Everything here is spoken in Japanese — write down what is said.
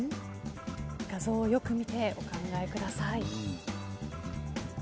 画像をよく見てお考えください。